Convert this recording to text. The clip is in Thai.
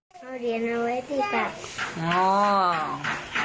เอาเหรียญเอาไว้ที่ปาก